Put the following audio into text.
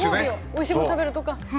おいしいもの食べるとか。